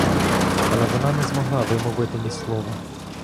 Але вона не змогла вимовити ні слова.